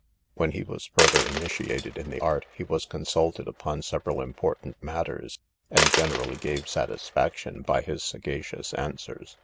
When he was further initiated in the art, he was consulted upon several important matters, and generally gave satisfaction by his sagacious answers.